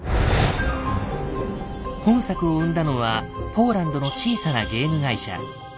本作を生んだのはポーランドの小さなゲーム会社。